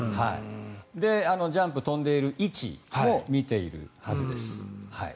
ジャンプを跳んでいる位置も見ているはずです。